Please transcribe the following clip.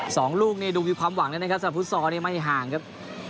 สองลูกนี่ดูมีความหวังเลยนะครับสำหรับฟุตซอลนี่ไม่ห่างครับ